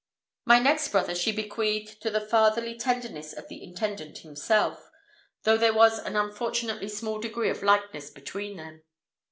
My next brother she bequeathed to the fatherly tenderness of the intendant himself; though there was an unfortunately small degree of likeness between them.